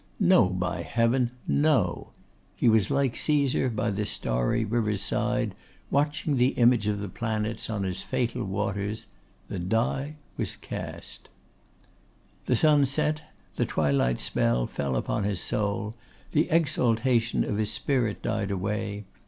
No, by heaven, no! He was like Caesar by the starry river's side, watching the image of the planets on its fatal waters. The die was cast. The sun set; the twilight spell fell upon his soul; the exaltation of his spirit died away.